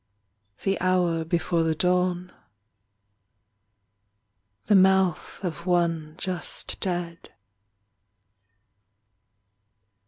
. the hour Before the dawn ... the mouth of one Just dead.